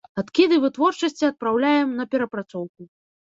Адкіды вытворчасці адпраўляем на перапрацоўку.